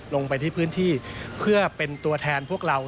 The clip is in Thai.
ลงไปที่พื้นที่เพื่อเป็นตัวแทนพวกเรา